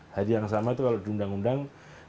hari yang sama itu kalau di undang undang